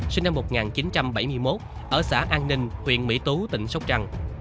sinh năm một nghìn chín trăm bảy mươi một ở xã an ninh huyện mỹ tú tỉnh sóc trăng